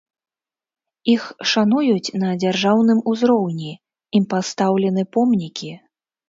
Іх шануюць на дзяржаўным узроўні, ім пастаўлены помнікі.